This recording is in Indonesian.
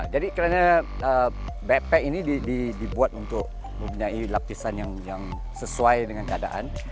jadi karena backpack ini dibuat untuk mempunyai lapisan yang sesuai dengan keadaan